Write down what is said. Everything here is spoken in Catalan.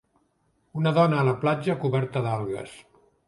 Una dona a la platja coberta d'algues.